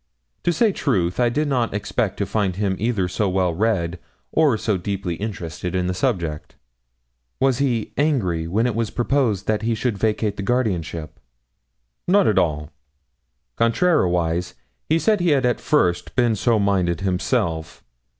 To say truth, I did not expect to find him either so well read or so deeply interested in the subject.' 'Was he angry when it was proposed that he should vacate the guardianship?' 'Not at all. Contrariwise, he said he had at first been so minded himself.